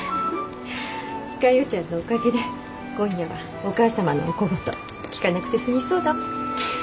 ちゃんのおかげで今夜はお義母様のお小言聞かなくて済みそうだわ。